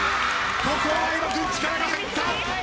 ここは相葉君力が入った。